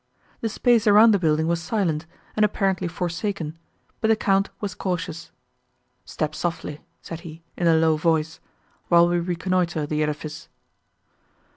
The space around the building was silent, and apparently forsaken, but the Count was cautious; "Step softly," said he, in a low voice, "while we reconnoitre the edifice."